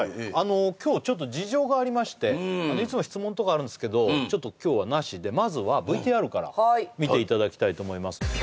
今日ちょっと事情がありましていつも質問とかあるんすけどちょっと今日はなしでまずはＶＴＲから見ていただきたいと思います